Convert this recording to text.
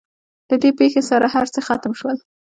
له دې پېښې سره هر څه ختم شول.